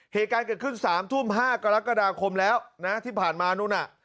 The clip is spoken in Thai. เหตุการณ์เกิดขึ้น๓ทุ่ม๕กรกฎาคมแล้วนะที่ผ่านมานู้นน่ะ